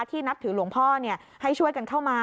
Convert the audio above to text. นับถือหลวงพ่อให้ช่วยกันเข้ามา